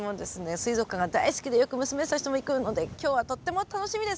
水族館が大好きでよく娘たちとも行くので今日はとっても楽しみです。